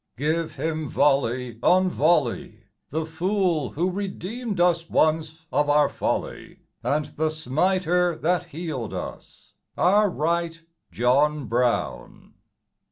Give him volley on volley, The fool who redeemed us once of our folly, And the smiter that healed us, our right John Brown!